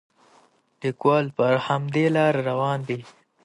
لیکوال پر همدې لاره روان دی.